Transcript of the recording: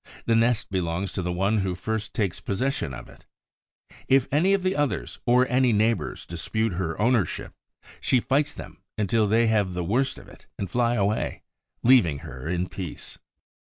The nest belongs to the one who first takes possession of it. If any of the others or any neighbors dispute her ownership, she fights them until they have the worst of it and fly away, leaving her in peace.